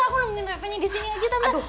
aku nungguin repanya disini aja tante